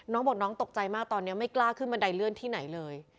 น้องบอกน้องตกใจมากตอนนี้ไม่กล้าขึ้นบันไดเลื่อนที่ไหนเลย